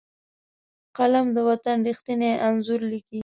قلم د وطن ریښتیني انځور لیکي